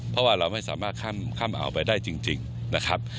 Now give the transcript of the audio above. เพราะว่าเราไม่สามารถข้ามอ่าวไปได้จริงนะครับ